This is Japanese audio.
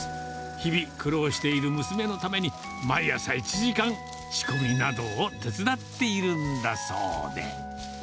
日々、苦労している娘のために、毎朝１時間、仕込みなどを手伝っているんだそうで。